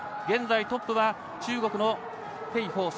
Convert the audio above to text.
現在トップは中国の鄭鵬。